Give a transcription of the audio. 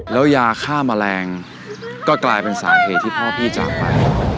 แล้วยาฆ่าแมลงก็กลายเป็นสาเหตุที่พ่อพี่จากไป